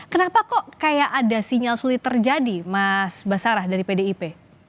kenapa kok kayak ada sinyal sulit terjadi mas basarah dari pdip